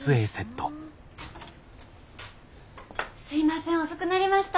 すいません遅くなりました。